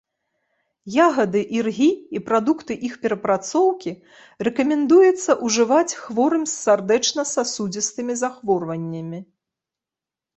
Ягады іргі і прадукты іх перапрацоўкі рэкамендуецца ўжываць хворым з сардэчна-сасудзістымі захворваннямі.